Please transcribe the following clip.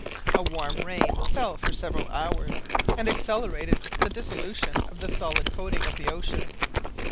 A warm rain fell for several hours, and accelerated the dissolution of the solid coating of the ocean.